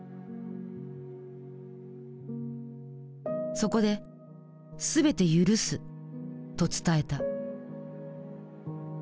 そこで「すべて赦す」と伝えた。